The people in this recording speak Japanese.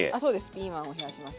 ピーマンを冷やします。